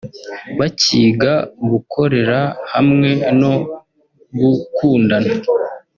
bakiga gukorera hamwe no gukundana